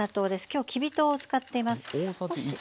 今日きび糖を使っています。